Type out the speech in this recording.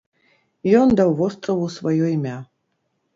Ён даў востраву сваё імя.